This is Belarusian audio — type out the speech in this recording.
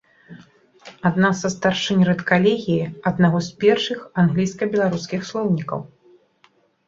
Адна са старшынь рэдкалегіі аднаго з першых англійска-беларускіх слоўнікаў.